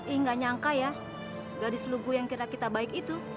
eh nggak nyangka ya gadis lugu yang kira kita baik itu